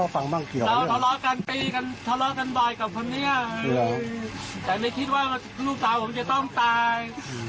แต่ไม่คิดว่าลูกตาผมจะต้องตาย